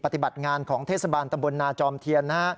ปฏิบัติงานของเทศบาลตะบลนาจอมเทียน